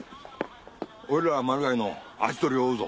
俺らはマルガイの足取りを追うぞ。